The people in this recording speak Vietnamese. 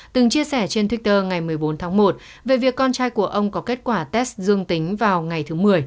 từng chia sẻ trên twitter ngày một mươi bốn tháng một về việc con trai của ông có kết quả test dương tính vào ngày thứ một mươi